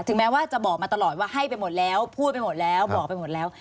แม้ว่าจะบอกมาตลอดว่าให้ไปหมดแล้วพูดไปหมดแล้วบอกไปหมดแล้ว